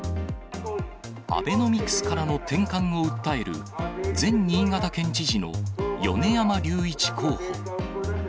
アベノミクスからの転換を訴える、前新潟県知事の米山隆一候補。